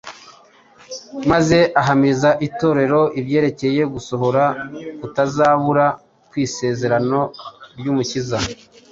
maze ahamiriza Itorero ibyerekeye gusohora gutazabura kw’isezerano ry’Umukiza